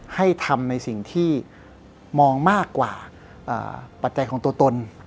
ให้ทำในสิ่งที่มองมากกว่าปัจจัยของตัวตน